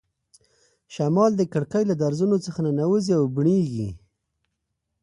شمال د کړکۍ له درزونو څخه ننوځي او بڼیږي.